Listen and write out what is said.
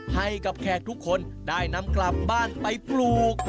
ให้กับแขกทุกคนได้นำกลับบ้านไปปลูก